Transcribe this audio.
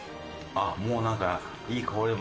あっもうなんかいい香り。